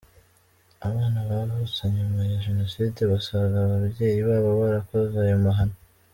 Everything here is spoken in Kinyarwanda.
abana bavutse nyuma ya jenoside basanga ababyeyi babo barakoze ayo mahano.